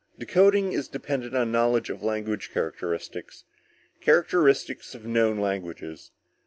Decoding is dependent on knowledge of language characteristics characteristics of known languages.